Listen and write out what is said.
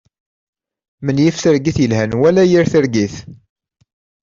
Menyif targit yelhan wala yir targit.